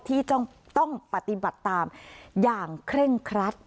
ที่ต้องปฏิบัติตามอย่างเคร่งครัด